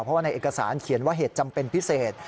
เพราะว่าในเอกสารเขียนว่าเหตุจำเป็นพิเศษ